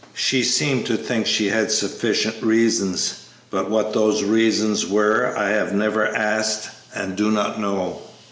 She seemed to think she had sufficient reasons, but what those reasons were I have never asked and do not know."